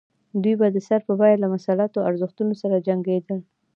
دوی به د سر په بیه له مسلطو ارزښتونو سره جنګېدل.